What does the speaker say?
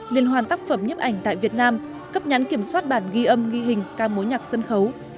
liên hoàn tác phẩm nhấp ảnh tại việt nam cấp nhắn kiểm soát bản ghi âm ghi hình ca mối nhạc sân khấu